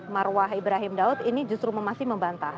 marwah ibrahim daud ini justru masih membantah